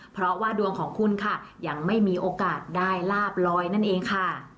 เพราะว่าดวงของคุณค่ะยังไม่มีโอกาสได้ลาบลอยนั่นเองค่ะ